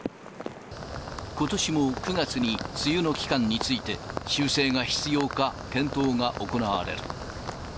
ことしも９月に梅雨の期間について、修正が必要か検討が行われる。